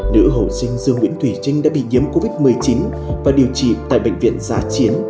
nữ hậu sinh dương nguyễn thủy trinh đã bị nhiễm covid một mươi chín và điều trị tại bệnh viện giã chiến